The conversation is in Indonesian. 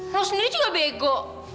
lo sendiri juga bego